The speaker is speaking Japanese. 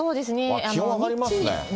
気温上がりますね。